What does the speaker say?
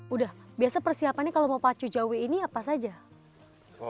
udah biasa persiapannya kalau mau pacu jawi ini apa saja